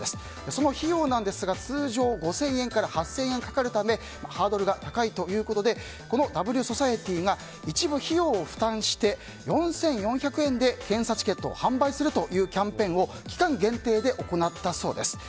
その費用は通常５０００円から８０００円かかるためハードルが高いということでこのＷｓｏｃｉｅｔｙが一部費用を負担して４４００円で検査チケットを販売するというキャンペーンを期間限定で行ったそうです。